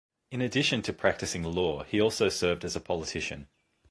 In addition to practicing law, he also served as a politician.